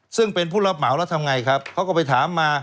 ซึ่งเป็นผู้รับเหมาแล้วทำไงครับเขาก็ไปถามมา